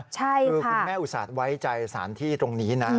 คือคุณแม่อุตส่าห์ไว้ใจสารที่ตรงนี้นะ